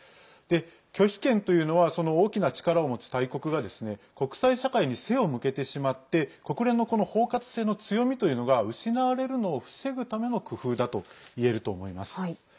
拒否権というのは大きな力を持つ大国が国際社会に背を向けてしまって国連の包括性の強みというのが失われるのを防ぐための工夫だといえると思います。